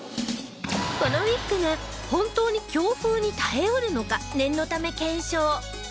このウィッグが本当に強風に耐え得るのか念のため検証！